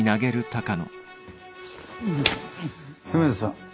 梅津さん